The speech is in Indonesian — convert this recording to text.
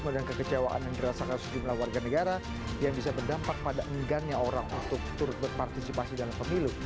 dan kekecewaan yang dirasakan sejumlah warga negara yang bisa berdampak pada enggannya orang untuk turut berpartisipasi dalam pemilu